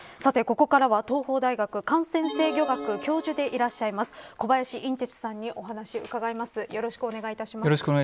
ここからは東邦大学感染制御学教授でいらっしゃいます小林寅てつさんにお話を伺います。